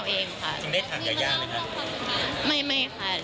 จริงได้ถามยายาไหมคะ